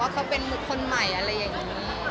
เขาเป็นคนใหม่อะไรอย่างนี้